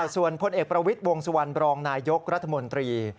ส่วนพลเอกประวิทย์วงสุวรรณบรองนายยกรัฐมนตรี